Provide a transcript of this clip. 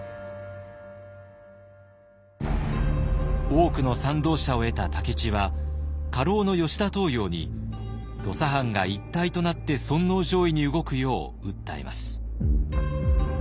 多くの賛同者を得た武市は家老の吉田東洋に土佐藩が一体となって尊皇攘夷に動くよう訴えます。